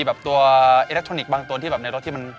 อัลแตะทรอนิกส์บางตัวที่ในรถที่มัน